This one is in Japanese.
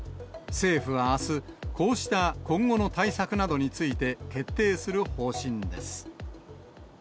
政府はあす、こうした今後の対策などについて、決定する方針です。